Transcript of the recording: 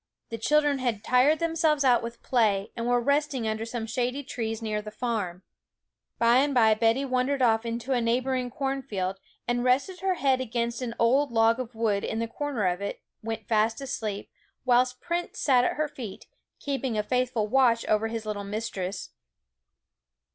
The children had tired themselves out with play, and were resting under some shady trees near the farm. By and bye Betty wandered off into a neighbouring cornfield, and resting her head against an old log of wood in the corner of it, went fast asleep, whilst Prince sat at her feet, keeping a faithful watch over his little mistress.